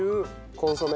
コンソメ。